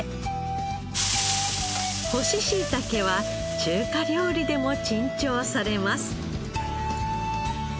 干ししいたけは中華料理でも珍重されます。